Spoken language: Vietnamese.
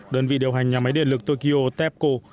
đơn vị điều hành nhà máy điện lực tokyo tepco